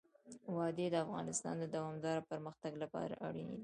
وادي د افغانستان د دوامداره پرمختګ لپاره اړین دي.